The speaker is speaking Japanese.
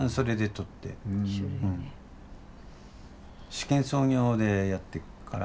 試験操業でやってっから。